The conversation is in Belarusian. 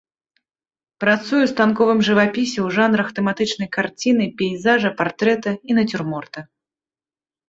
Працуе ў станковым жывапісе ў жанрах тэматычнай карціны, пейзажа, партрэта і нацюрморта.